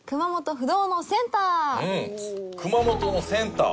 熊本のセンター？